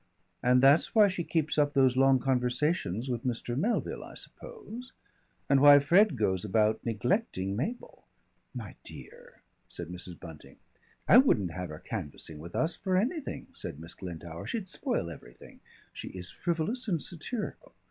"And that's why she keeps up those long conversations with Mr. Melville, I suppose, and why Fred goes about neglecting Mabel " "My dear!" said Mrs. Bunting. "I wouldn't have her canvassing with us for anything," said Miss Glendower. "She'd spoil everything. She is frivolous and satirical.